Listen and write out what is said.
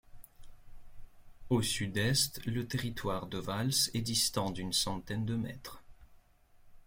Au sud-est, le territoire de Vals est distant d'une centaine de mètres.